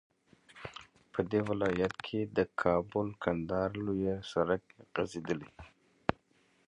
په دې ولايت كې د كابل- كندهار لوى سړك غځېدلى